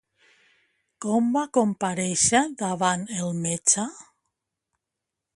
Com va comparèixer davant el metge?